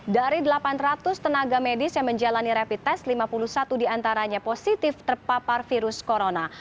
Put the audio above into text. dari delapan ratus tenaga medis yang menjalani rapid test lima puluh satu diantaranya positif terpapar virus corona